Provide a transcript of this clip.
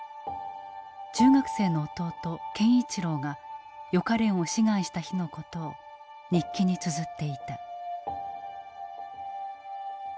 中学生の弟健一郎が予科練を志願した日のことを日記に綴っていた。